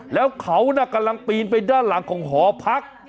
แล้วเขาน่ะกำลังปีนไปด้านหลังของหอพัก